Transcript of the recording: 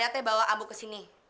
abah alda bawa ambo ke sini